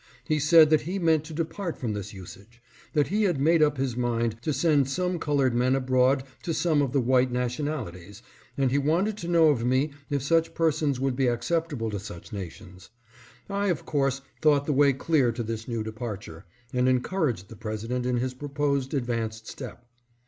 He said that he meant to depart from this usage ; that he had made up his mind to send some colored men abroad to some of the white nationalities, and he wanted to know of me if such per sons would be acceptable to some such nations. I, of course, thought the way clear to this new departure, and encouraged the President in his proposed advanced step.